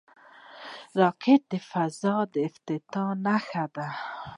راکټ د فضا د فتح نښه ده